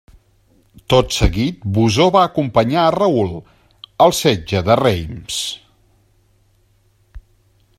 Tot seguit Bosó va acompanyar a Raül al setge de Reims.